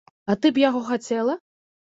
А ты б яго хацела?